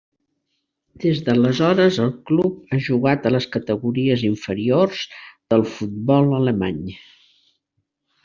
Des d'aleshores el club ha jugat a les categories inferiors del futbol alemany.